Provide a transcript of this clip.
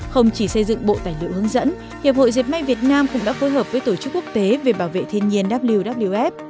không chỉ xây dựng bộ tài liệu hướng dẫn hiệp hội diệt may việt nam cũng đã phối hợp với tổ chức quốc tế về bảo vệ thiên nhiên wwf